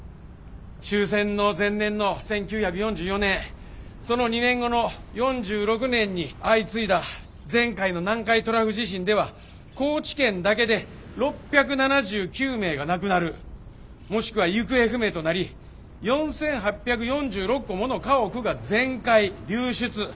終戦の前年の１９４４年その２年後の４６年に相次いだ前回の南海トラフ地震では高知県だけで６７９名が亡くなるもしくは行方不明となり４，８４６戸もの家屋が全壊流出。